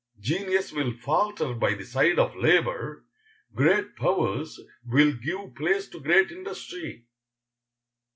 Genius will falter by the side of labor, great powers will give place to great industry.